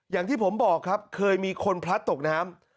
อย่างที่ผมบอกครับเคยมีคนพลัดตกน้ำ